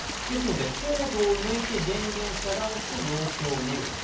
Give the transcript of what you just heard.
ですのでコードを抜いて電源を遮断し、様子を見る。